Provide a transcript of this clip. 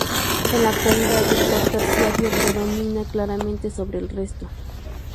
En la actualidad, el sector terciario predomina claramente sobre el resto.